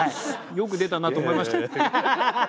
よく出たなと思いましたよ。